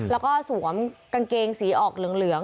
แล้วก็สวมกางเกงสีออกเหลือง